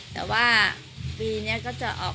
แต่ว่าปีนี้ก็จะออก